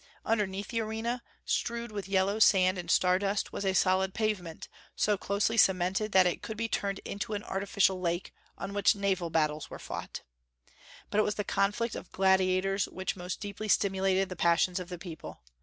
Underneath the arena, strewed with yellow sand and sawdust, was a solid pavement, so closely cemented that it could be turned into an artificial lake, on which naval battles were fought. But it was the conflict of gladiators which most deeply stimulated the passions of the people.